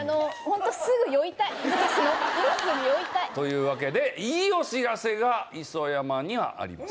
今すぐ酔いたい。というわけでいいお知らせが磯山にはあります。